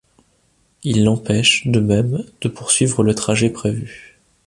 Il l'empêche, de même, de poursuivre le trajet prévu.